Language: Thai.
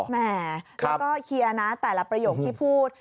แหมแล้วก็เคลียร์นะแต่ละประโยคที่พูด